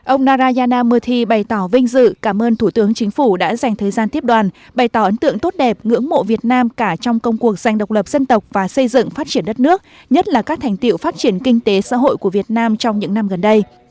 ông narayana mothi bày tỏ vinh dự cảm ơn thủ tướng chính phủ đã dành thời gian tiếp đoàn bày tỏ ấn tượng tốt đẹp ngưỡng mộ việt nam cả trong công cuộc dành độc lập dân tộc và xây dựng phát triển đất nước nhất là các thành tiệu phát triển kinh tế xã hội của việt nam trong những năm gần đây